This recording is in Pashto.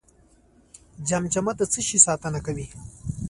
جمجمه د څه شي ساتنه کوي؟